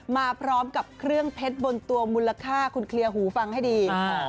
มาพร้อมกับเครื่องเพชรบนตัวมูลค่าคุณเคลียร์หูฟังให้ดี